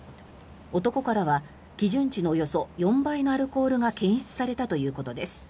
男からは基準値のおよそ４倍のアルコールが検出されたということです。